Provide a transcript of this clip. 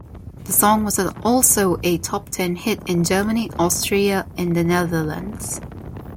The song was also a top ten hit in Germany, Austria and the Netherlands.